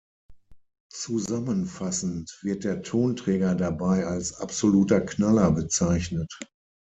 Zusammenfassend wird der Tonträger dabei als „absoluter Knaller“ bezeichnet.